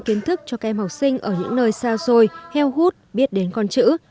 kiến thức cho các em học sinh ở những nơi xa xôi heo hút biết đến con chữ